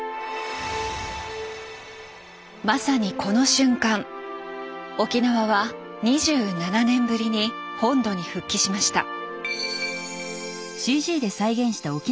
まさにこの瞬間沖縄は２７年ぶりに本土に復帰しました。